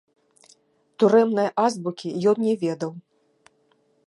Турэмнае азбукі ён не ведаў.